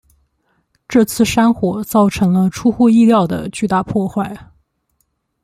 这次山火造成了出乎意料的巨大破坏。